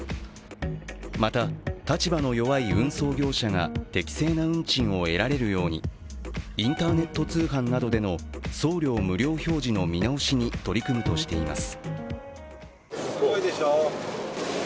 また立場の弱い運送業者が適正な運賃を得られるようにインターネット通販などでの送料無料表示の見直しに取り組むとしています。